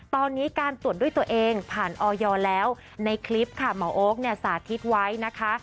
ตอนนี้การตรวจด้วยตัวเองผ่านออยแล้วในคลิปค่ะหมอโอ๊คเนี่ยสาธิตไว้นะคะ